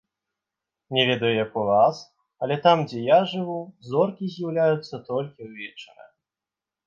Не ведаю як у вас, але там дзе я жыву, зоркі з'яўляюцца толькі ўвечары.